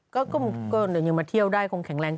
ก็ยังมาเที่ยวได้คงแข็งแรง